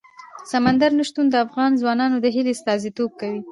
سمندر نه شتون د افغان ځوانانو د هیلو استازیتوب کوي.